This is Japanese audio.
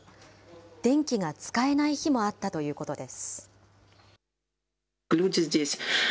電気が使えない日もあったということです。